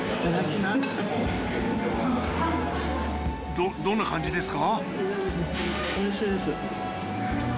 どどんな感じですか？